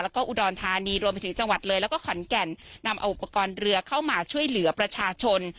แล้วก็อุดรธานีรวมไปถึงจังหวัดเลยแล้วก็ขอนแก่นนำเอาอุปกรณ์เรือเข้ามาช่วยเหลือประชาชน